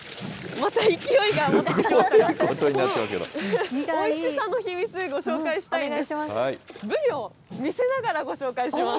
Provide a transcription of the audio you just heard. また、勢いが戻ってきましたが、おいしさの秘密、ご紹介します。